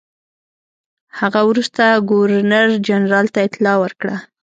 هغه وروسته ګورنرجنرال ته اطلاع ورکړه.